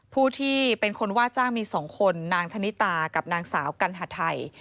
ผู้ที่เป็นคนว่าจ้างมี๒คนนางธนิตากับนางสาวกัณฑไทย